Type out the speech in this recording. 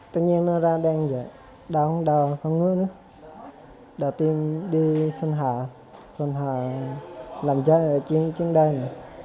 tự nhiên nó ra đen rồi đau không đau không ngứa nữa đã tìm đi sơn hà sơn hà làm cho là chiếc đen